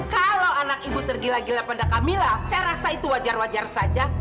kalau anak ibu tergila gila pada kami lah saya rasa itu wajar wajar saja